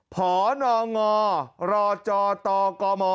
ขอนงรรจตกม